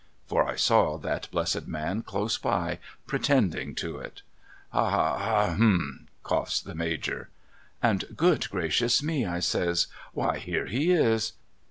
— for I saw that blessed man close by, pretending to it. ' Hah — Hah — Hum !' coughs the Major. ' And good gracious me ' I says, ' why here he is